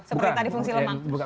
seperti tadi fungsi lemak